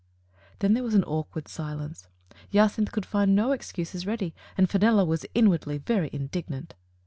Then there was an awkward silence. Jacynth could find no excuses ready, and Fenella was in wardly very indignant.